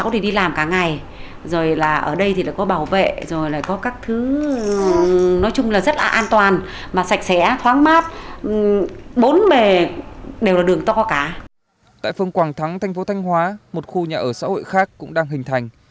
tại phương quảng thắng thành phố thanh hóa một khu nhà ở xã hội khác cũng đang hình thành